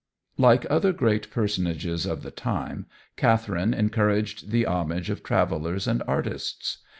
Like other great personages of the time, Catherine encouraged the homage of travellers and artists.